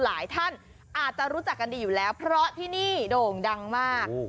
หลายท่านอาจจะรู้จักกันดีอยู่แล้วเพราะที่นี่โด่งดังมาก